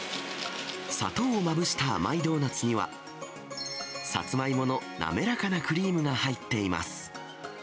砂糖をまぶした甘いドーナツには、さつまいもの滑らかなクリームが入っています。